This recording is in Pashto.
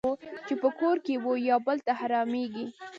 چې په کور کې وو یو بل ته حرامېږي.